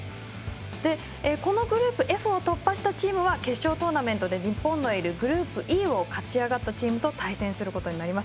グループＦを突破したチームは決勝トーナメントで日本のいるグループＥを勝ち上がったチームと対戦することになります。